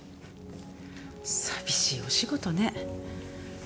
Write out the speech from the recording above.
寂しいお仕事ね。